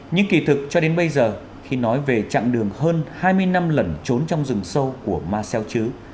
nhưng kỳ thực cho đến bây giờ khi nói về chặng đường hơn hai mươi năm lần trốn trong rừng sâu của marcel chứ